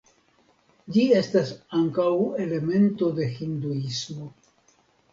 Ĝi estas ankaŭ elemento de Hinduismo.